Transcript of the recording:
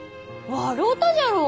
笑うたじゃろう。